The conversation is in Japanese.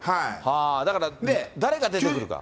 だから誰が出てくるか。